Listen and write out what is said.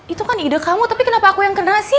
itu kan ide kamu tapi kenapa aku yang generasi